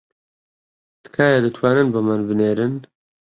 تکایە دەتوانن بۆمان بنێرن